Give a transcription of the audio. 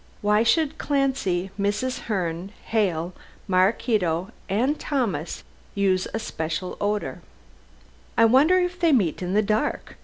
Why should Clancy, Mrs. Herne, Hale, Maraquito and Thomas use a special odor? "I wonder if they meet in the dark?"